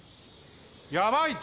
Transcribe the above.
やばいて。